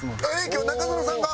今日中園さんが？